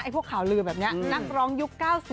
พวกข่าวลือแบบนี้นักร้องยุค๙๐